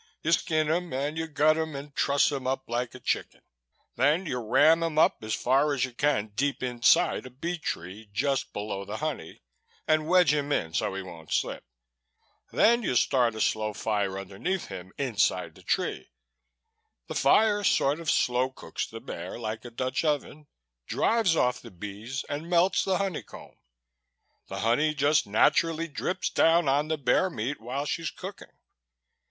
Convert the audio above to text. You skin him and you gut him and truss him up like a chicken. Then you ram him up as far as you can deep inside a bee tree, just below the honey, and wedge him in so he won't slip. Then you start a slow fire underneath him inside the tree. The fire sort of slow cooks the bear, like a Dutch oven, drives off the bees and melts the honey comb. The honey just naturally drips down on the bear meat while she's cooking.